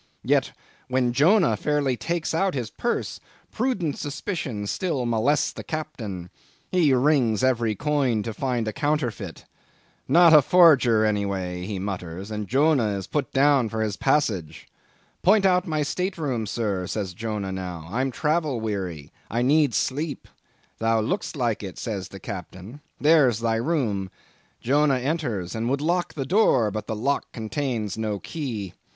Yet when Jonah fairly takes out his purse, prudent suspicions still molest the Captain. He rings every coin to find a counterfeit. Not a forger, any way, he mutters; and Jonah is put down for his passage. 'Point out my state room, Sir,' says Jonah now, 'I'm travel weary; I need sleep.' 'Thou lookest like it,' says the Captain, 'there's thy room.' Jonah enters, and would lock the door, but the lock contains no key.